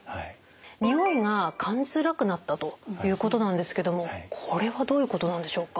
においが感じづらくなったということなんですけどもこれはどういうことなんでしょうか？